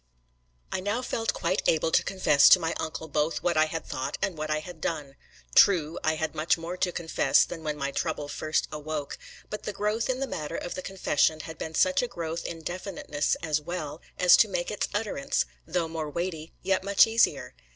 I now felt quite able to confess to my uncle both what I had thought and what I had done. True, I had much more to confess than when my trouble first awoke; but the growth in the matter of the confession had been such a growth in definiteness as well, as to make its utterance, though more weighty, yet much easier.